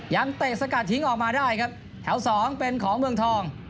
เตะสกัดทิ้งออกมาได้ครับแถวสองเป็นของเมืองทอง